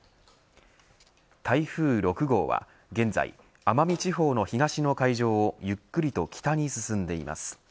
台風６号は現在奄美地方の東の海上をゆっくりと北に進んでいます。